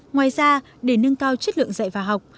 ngoài ra để nâng cao chất lượng dạy và học